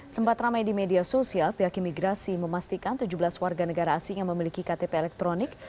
sempat ramai di media sosial pihak imigrasi memastikan tujuh belas warga negara asing yang memiliki ktp elektronik